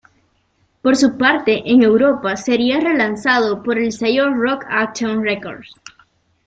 Por su parte en Europa sería re-lanzado por el sello Rock Action Records.